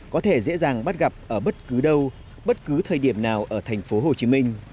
có thể dễ dàng bắt gặp ở bất cứ đâu bất cứ thời điểm nào ở tp hcm